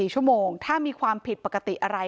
๔ชั่วโมงถ้ามีความผิดปกติอะไร